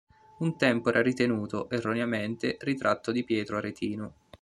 Un tempo era ritenuto, erroneamente, ritratto di Pietro Aretino.